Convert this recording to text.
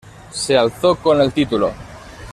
Se alzó con el título.